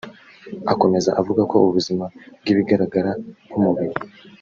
Akomeza avuga ko ubuzima bw’ibigaragara nk’umubiri